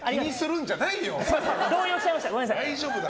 動揺しちゃいました。